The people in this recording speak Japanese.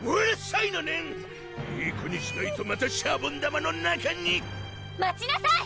いい子にしないとまたシャボン玉の中に待ちなさい！